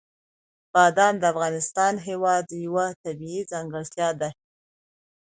بادام د افغانستان هېواد یوه طبیعي ځانګړتیا ده.